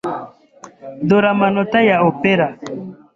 Dore amanota ya opera.